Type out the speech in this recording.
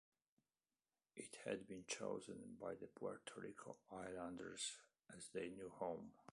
It had been chosen by the Puerto Rico Islanders as their new home.